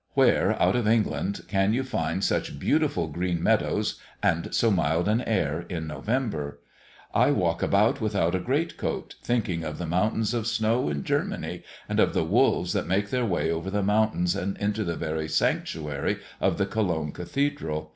Where, out of England, can you find such beautiful green meadows, and so mild an air, in November? I walk about without a great coat, thinking of the mountains of snow in Germany, and of the wolves that make their way over the mountains and into the very sanctuary of the Cologne Cathedral.